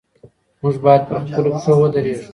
موږ بايد پر خپلو پښو ودرېږو.